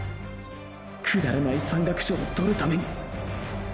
くだらない山岳賞を獲るために。